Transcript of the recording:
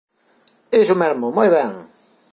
Iso mesmo, moi ben.